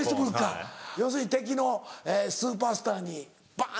要するに敵のスーパースターにバン！